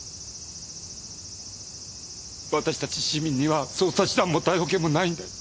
私たち市民には捜査手段も逮捕権もないんだよ。